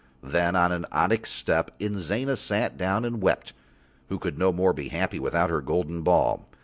Then on an onyx step Inzana sat down and wept, who could no more be happy without her golden ball.